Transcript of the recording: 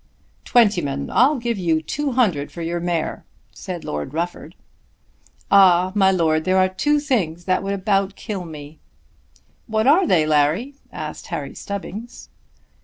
"Twentyman, I'll give you two hundred for your mare," said Lord Rufford. "Ah, my Lord, there are two things that would about kill me." "What are they, Larry?" asked Harry Stubbings.